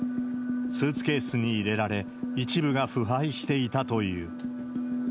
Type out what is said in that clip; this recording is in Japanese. スーツケースに入れられ、一部が腐敗していたという。